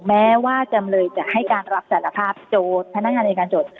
แม้ว่าจำเลยจะให้การรับสารภาพโจทย์พนักงานอายการโจทย์